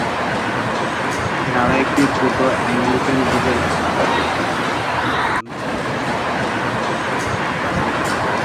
এখানে আরও একটি ছোট অ্যাংলিকান গির্জা রয়েছে, যা মূলত ব্রিটিশ প্রশাসকদের জন্য ছিল, তবে সম্প্রতি এটি বিপর্যস্ত অবস্থায় পড়েছে।